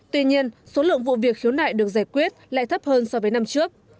tuy nhiên số lượng vụ việc khiếu nại được giải quyết lại thấp hơn so với năm trước